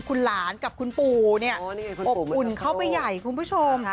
คุณหลานกับคุณปู่เนี่ยอบอุ่นเข้าไปใหญ่คุณผู้ชม